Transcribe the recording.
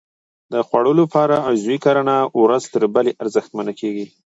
د خوړو لپاره عضوي کرنه ورځ تر بلې ارزښتمنه کېږي.